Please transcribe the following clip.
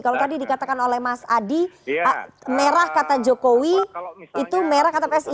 kalau tadi dikatakan oleh mas adi merah kata jokowi itu merah kata psi